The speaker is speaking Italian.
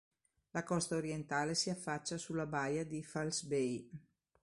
La costa orientale si affaccia sulla baia di False Bay.